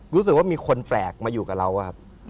รู้สึกว่ามีคนแปลกมาอยู่กับเราครับ